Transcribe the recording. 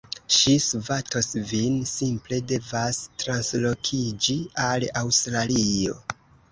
Ŝi svatos vin. Simple devas translokiĝi al Aŭstralio